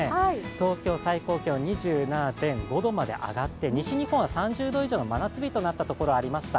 東京、最高気温２７．５度まで上がって西日本は３０度以上の真夏日となったところがありました。